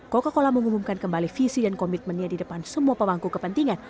coca cola mengumumkan kembali visi dan komitmennya di depan semua pemangku kepentingan